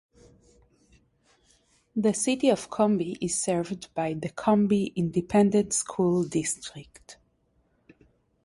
The City of Cumby is served by the Cumby Independent School District.